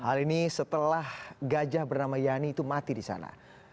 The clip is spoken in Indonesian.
hal ini setelah gajah bernama yani itu mati di sana